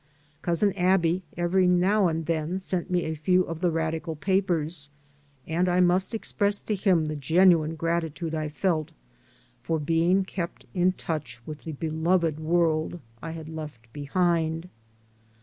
Cousin Aby every now and then sent me a few of the radical papers, and I must express to him the genuine gratitude I felt for being kept in touch with the beloved world I had left behind.